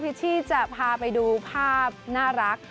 ชชี่จะพาไปดูภาพน่ารัก